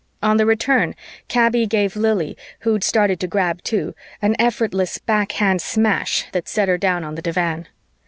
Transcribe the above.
On the return, Kaby gave Lili, who'd started to grab too, an effortless backhand smash that set her down on the divan.